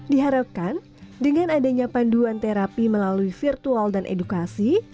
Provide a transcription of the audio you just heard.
diharapkan dengan adanya panduan terapi melalui virtual dan edukasi